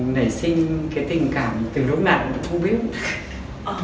nể sinh cái tình cảm từ lúc nào cũng không biết